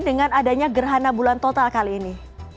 dengan adanya gerhana bulan total kali ini